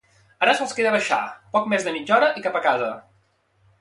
Ara sols queda baixar, poc més de mitja hora i cap a casa.